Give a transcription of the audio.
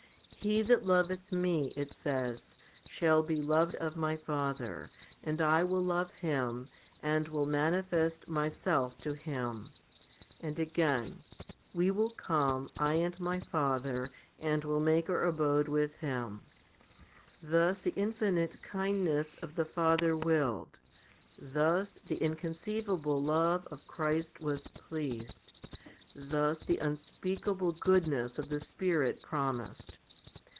He that loveth Me, it says, shall be loved of My Father, and I will love him and will manifest Myself to him ; J and again, We will come, I and My Father, and will make Our abode with him. 2 Thus the infinite kindness of the Father willed; thus the inconceivable love of Christ was pleased ; thus the unspeakable goodness of the Spirit promised.